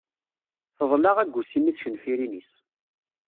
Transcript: Teḍla agusim i tcenfirin-is.